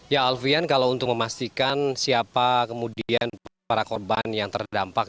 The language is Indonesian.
ya alfian kalau untuk memastikan siapa kemudian para korban yang terdampak